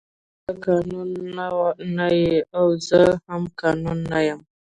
پوه شوې ته قانون نه یې او زه هم قانون نه یم